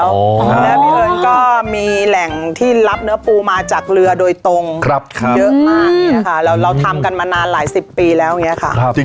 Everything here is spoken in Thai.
แล้วพี่เอิญก็มีแหล่งที่รับเนื้อปูมาจากเรือโดยตรงครับครับเยอะมากเนี้ยค่ะเราเราทำกันมานานหลายสิบปีแล้วเนี้ยค่ะครับ